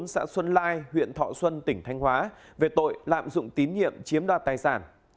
xã xuân lai huyện thọ xuân tỉnh thanh hóa về tội lạm dụng tín nhiệm chiếm đoạt tài sản